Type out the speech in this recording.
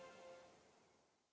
saat sekarang tiwaku lelaki saya